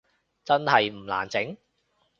真係唔難整？